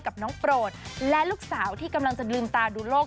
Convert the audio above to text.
กับน้องโปรดและลูกสาวที่กำลังจะลืมตาดูโลก